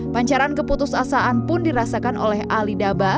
pancaran keputus asaan pun dirasakan oleh ali daba